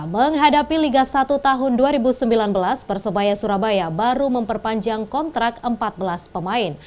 menghadapi liga satu tahun dua ribu sembilan belas persebaya surabaya baru memperpanjang kontrak empat belas pemain